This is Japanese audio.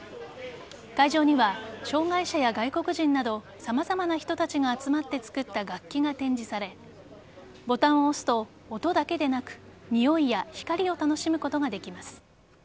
会場には障害者や外国人など様々な人たちが集まって作った楽器が展示されボタンを押すと、音だけでなくにおいや光を楽しむことができます。